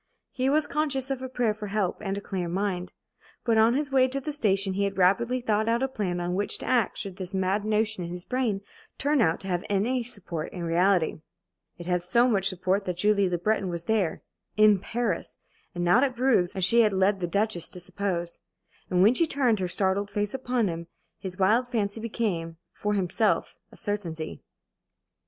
He was conscious of a prayer for help and a clear mind. But on his way to the station he had rapidly thought out a plan on which to act should this mad notion in his brain turn out to have any support in reality. It had so much support that Julie Le Breton was there in Paris and not at Bruges, as she had led the Duchess to suppose. And when she turned her startled face upon him, his wild fancy became, for himself, a certainty.